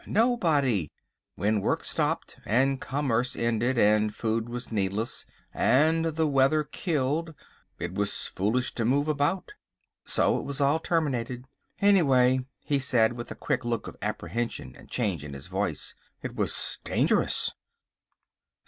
Nobody. When work stopped and commerce ended, and food was needless, and the weather killed, it was foolish to move about. So it was all terminated. Anyway," he said, with a quick look of apprehension and a change in his voice, "it was dangerous!"